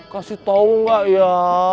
kasih tau nggak ya